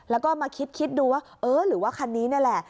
แล้วก็มาคิดดูว่าเออหรือว่าคันนี้นี่แหละ